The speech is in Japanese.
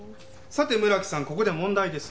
さて村木さんここで問題です。